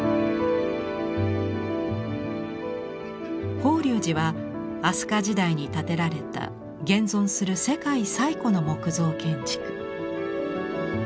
法隆寺は飛鳥時代に建てられた現存する世界最古の木造建築。